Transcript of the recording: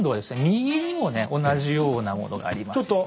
右にもね同じようなものがありますよね。